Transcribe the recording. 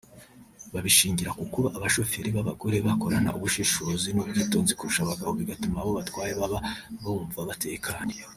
Babishingira ku kuba abashoferi b’abagore bakorana ubushishozi n’ubwitonzi kurusha abagabo bigatuma abo batwaye baba bumva batekanye